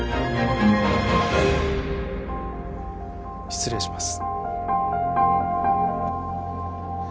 失礼します。